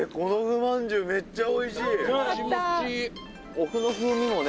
「おふの風味もね